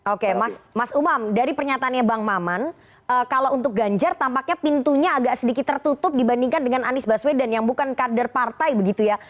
oke mas umam dari pernyataannya bang maman kalau untuk ganjar tampaknya pintunya agak sedikit tertutup dibandingkan dengan anies baswedan yang bukan kader partai begitu ya